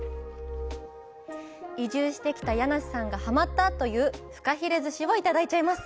移住してきた柳瀬さんがハマった！というふかひれ寿しをいただいちゃいます！